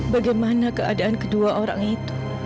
bagaimana keadaan kedua orang itu